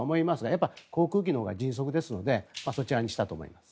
やっぱり航空機のほうが迅速ですのでそちらにしたと思います。